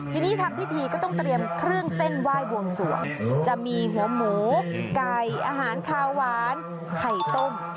ทีนี้ทำพิธีก็ต้องเตรียมเครื่องเส้นไหว้บวงสวงจะมีหัวหมูไก่อาหารคาวหวานไข่ต้ม